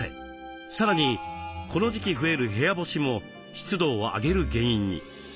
さらにこの時期増える部屋干しも湿度を上げる原因に。